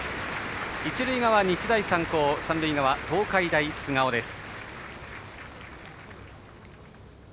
一塁側、日大三高三塁側、東海大菅生です。